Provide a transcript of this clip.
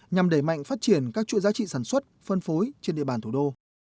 nhằm đẩy mạnh phát triển các chuỗi giá trị sản xuất phân phối trên địa bàn thủ đô